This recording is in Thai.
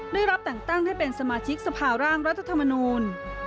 ได้รับแต่งตั้งให้เป็นสมาชิกสภาร่างรัฐธรรมนูล